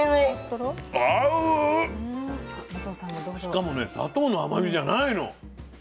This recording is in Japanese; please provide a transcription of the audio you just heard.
しかもね砂糖の甘みじゃないの。